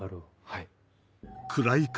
はい。